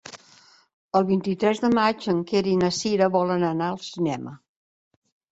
El vint-i-tres de maig en Quer i na Cira volen anar al cinema.